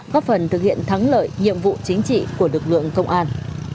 góp phần thực hiện thắng lợi nhiệm vụ chính trị của lực lượng công an